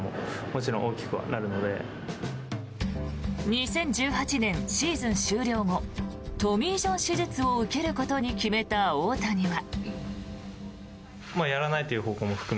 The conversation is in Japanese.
２０１８年シーズン終了後トミー・ジョン手術を受けることに決めた大谷は。